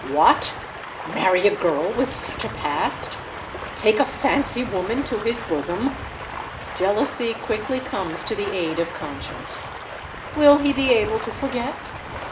What! Marry a girl with such a Past! Take a fancy woman to his bosom! Jealousy quickly comes to the aid of conscience. Will he be able to forget?